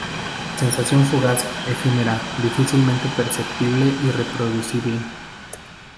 La sensación fugaz, efímera, difícilmente perceptible y reproducible.